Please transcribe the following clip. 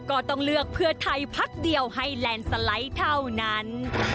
ก็ต้องเลือกเพื่อไทยพักเดียวให้แลนด์สไลด์เท่านั้น